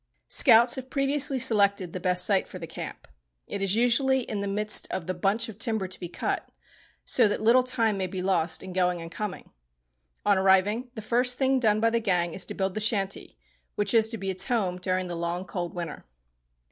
Scouts have previously selected the best site for the camp. It is usually in the midst of the "bunch" of timber to be cut, so that little time may be lost in going and coming. On arriving, the first thing done by the gang is to build the shanty, which is to be its home during the long, cold winter.